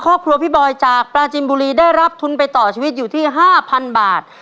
ครอบครัวพี่บอยจากปลาจินบุรีได้รับทุนไปต่อชีวิตอยู่ที่๕๐๐บาท